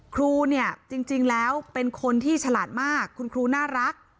ครูเนี่ยจริงแล้วเป็นคนที่ฉลาดมากคุณครูน่ารัก